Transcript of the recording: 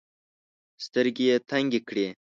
سترګي یې تنګي کړې .